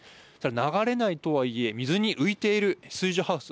流れないとはいえ水に浮いている水上ハウス。